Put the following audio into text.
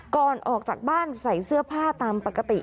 ก่อนออกจากบ้านใส่เสื้อผ้าตามปกติ